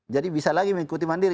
jadi bisa lagi mengikuti mandiri